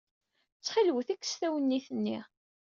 Ttxilwet, kkset awennit-nni.